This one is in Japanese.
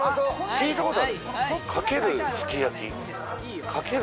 聞いたことあるかける